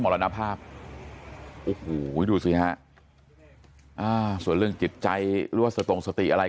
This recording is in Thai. รณภาพโอ้โหดูสิฮะอ่าส่วนเรื่องจิตใจหรือว่าสตงสติอะไร